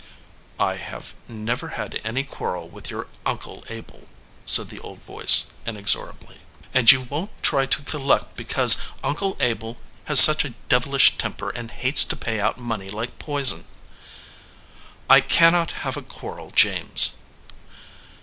"I have never had any quarrel with your uncle Abel," said the old voice, inexorably. "And you won t try to collect because Uncle Abel has such a devilish temper and hates to pay out money like poison." "I cannot have a quarre!, James."